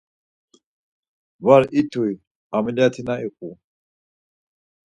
Var it̆uy ameliyat̆i na iyu.